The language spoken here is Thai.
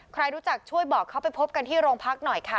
ใครรู้จักช่วยบอกเขาไปพบกันที่โรงพักหน่อยค่ะ